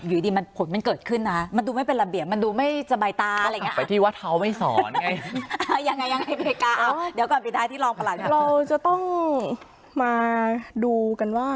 อยู่ดีมันผลมันเกิดขึ้นนะมันดูไม่เป็นระเบียบมันดูไม่สบายตาอะไรอย่างนี้